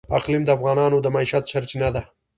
اقلیم د افغانانو د معیشت سرچینه ده.